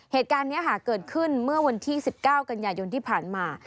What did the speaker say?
เหตุการณ์นี้เกิดขึ้นเมื่อวันที่๑๙กันยายนที่ผ่านมา